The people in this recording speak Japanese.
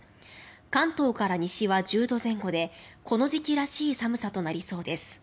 関東から西は１０度前後でこの時期らしい寒さとなりそうです。